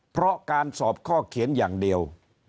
เพราะการสอบข้อเขียนอย่างเดียว